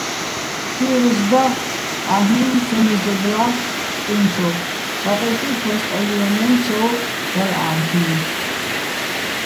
ფირუზ და-ალ'იჼ სე მეზობლა́ ბსტუ́ჲნჩოვ, ბაყეკი ფო́სტალიო́ნეჼ ცო დალო̆-ა́ლ'იჼ.